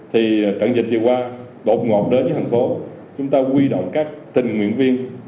thì trận dịch thì qua đột ngọt đến với thành phố chúng ta quy động các tình nguyện viên